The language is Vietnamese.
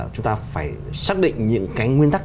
chúng ta phải xác định những cái nguyên tắc